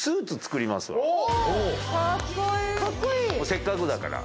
せっかくだから。